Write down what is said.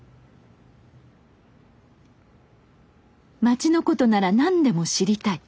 町のことなら何でも知りたい。